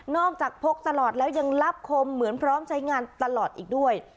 จากพกตลอดแล้วยังรับคมเหมือนพร้อมใช้งานตลอดอีกด้วย